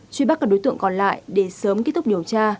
truy bắt các đối tượng còn lại để sớm kết thúc điều tra